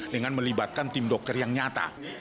dengan melibatkan tim dokter yang nyata